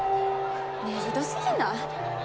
ねえひどすぎない？